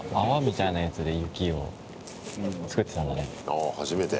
ああ、初めて。